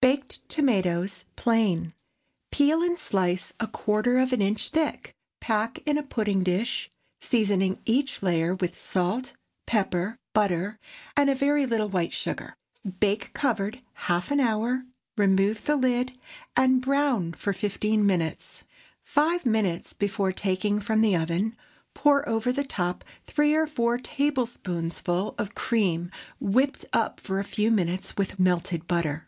BAKED TOMATOES (Plain.) Peel and slice a quarter of an inch thick. Pack in a pudding dish, seasoning each layer with salt, pepper, butter, and a very little white sugar. Bake covered half an hour, remove the lid, and brown for fifteen minutes. Five minutes before taking from the oven, pour over the top three or four tablespoonfuls of cream whipped up for a few minutes with melted butter.